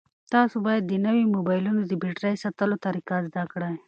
تاسو باید د نویو موبایلونو د بېټرۍ ساتلو طریقه زده کړئ.